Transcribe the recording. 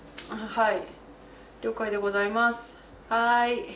はい。